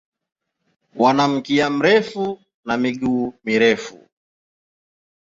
Wana mkia mrefu na miguu mirefu.